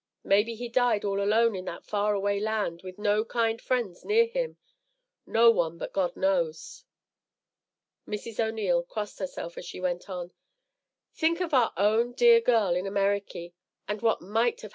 Maybe he died all alone in that far away land, with no kind friends near him. No one but God knows." Mrs. O'Neil crossed herself as she went on, "Think of our own dear girl in Ameriky, and what might happen to her!"